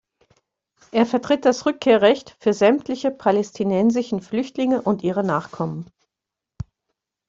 Er vertritt das Rückkehrrecht für sämtliche palästinensischen Flüchtlinge und ihre Nachkommen.